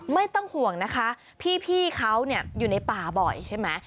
ไม่ต้องห่วงนะคะพี่เขาอยู่ในป่าบ่อยใช่ไหม